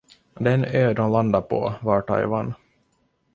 Den ö de landade på var Taiwan.